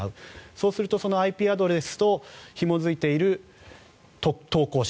そうするとそのＩＰアドレスとひもづいている投稿者